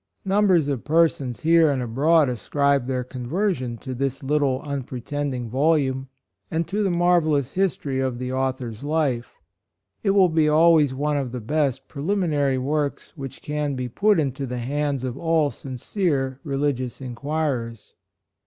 Numbers of persons here and abroad ascribe their conversion to this little unpretending volume, and to the marvellous history of the author's life. It will be always 12* 134 WEITINGS IN DEFENCE one of the best preliminary works which can be put into the hands of all sincere religious inquirers.